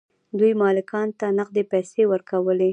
دوی مالکانو ته نغدې پیسې ورکولې.